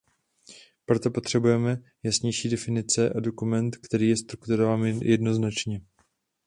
Proto potřebujeme jasnější definice a dokument, který je strukturován jednoznačně.